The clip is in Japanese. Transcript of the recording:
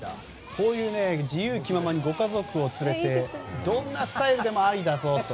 こういう自由気ままにご家族を連れてどんなスタイルでもありだぞと。